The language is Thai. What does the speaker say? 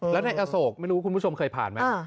แล้วในอโศกไม่รู้คุณผู้ชมเคยผ่านไหม